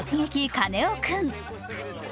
カネオくん」。